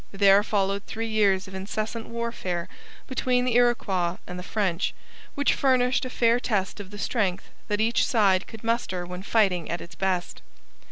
There followed three years of incessant warfare between the Iroquois and the French, which furnished a fair test of the strength that each side could muster when fighting at its best.